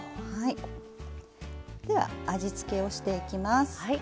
では味付けをしていきます。